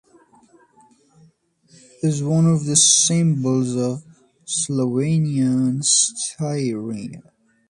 It is one of the symbols of Slovenia and Styria.